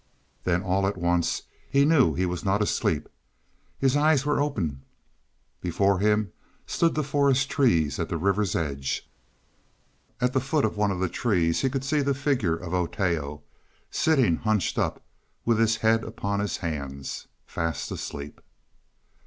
Then all at once he knew he was not asleep. His eyes were open; before him stood the forest trees at the river's edge. And at the foot of one of the trees he could see the figure of Oteo, sitting hunched up with his head upon his hands, fast asleep.